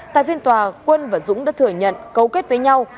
tại phiên tòa quân và dũng đã thừa nhận cấu kết với nhau